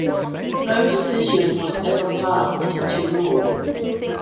No decision was ever passed into law.